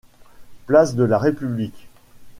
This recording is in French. Place de la République.